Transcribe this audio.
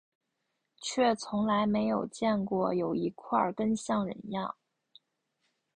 却从来没有见过有一块根像人样